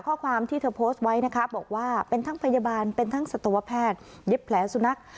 ข้อความที่เธอโพสต์ไว้นะคะบอกว่าเป็นทั้งพยาบาลเป็นทั้งสัตวแพทย์เย็บแผลสุนัข